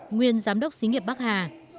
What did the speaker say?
nguyên giám đốc xí nghiệp bắc hà